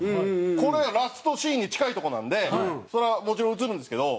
これはラストシーンに近いとこなんでそれはもちろん映るんですけど